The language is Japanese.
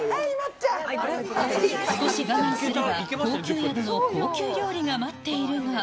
少し我慢すれば高級宿の高級料理が待っているが。